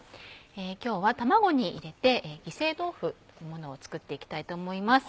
今日は卵に入れて「ぎせい豆腐」というものを作っていきたいと思います。